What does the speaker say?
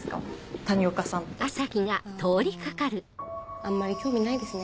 あんまり興味ないですね。